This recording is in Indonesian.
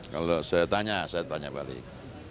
kalau saya tanya saya tanya balik